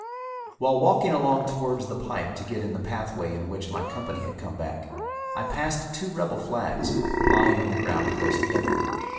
While walking along towards the pike to get in the pathway in which my company had come back, I passed two rebel flags lying on the ground close together.